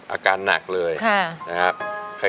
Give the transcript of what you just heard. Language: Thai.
อาการหนักเลยนะครับ